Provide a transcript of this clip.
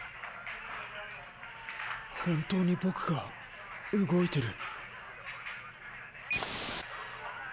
本当に僕が動いてる。